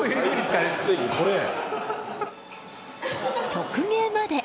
曲芸まで。